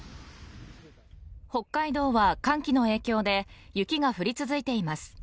北海道は寒気の影響で雪が降り続いています